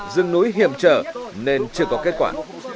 dưng núi hiểm trở nên chưa có kết quả